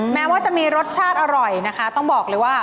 แม้ว่าจะมีรสชาติอร่อยนะคะต้องบอกเลยว่า